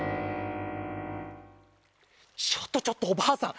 ちょっとちょっとおばあさん